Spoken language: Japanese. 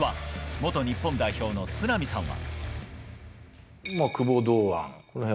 元日本代表の都並さんは。